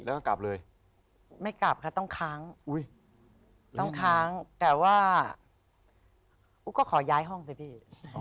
อุ๊กก็ขอย้ายห้องซะพี่